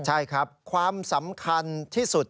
ใช่ครับความสำคัญที่สุด